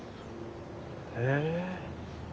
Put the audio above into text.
へえ。